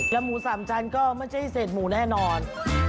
แล้วหมูสามฉันก็ไม่ได้เสร็จหมูแน่นอน